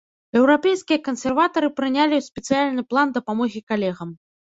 Еўрапейскія кансерватары прынялі спецыяльны план дапамогі калегам.